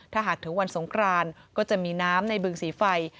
ถ้าหากถึงวันสงครานก็จะมีน้ำในบึงสีไฟ